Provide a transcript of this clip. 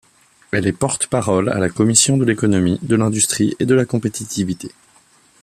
Elle est porte-parole à la commission de l'Économie, de l'Industrie et de la Compétitivité.